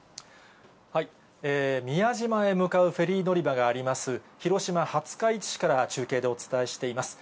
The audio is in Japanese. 宮島へ向かうフェリー乗り場があります、広島・廿日市市から中継でお伝えしています。